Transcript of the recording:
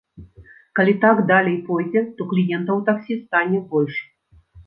Калі так далей пойдзе, то кліентаў у таксі стане больш.